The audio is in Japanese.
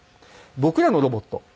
僕らのロボット